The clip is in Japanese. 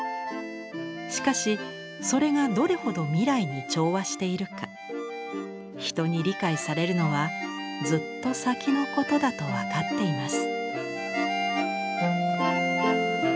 しかしそれがどれほど未来に調和しているか人に理解されるのはずっと先のことだとわかっています」。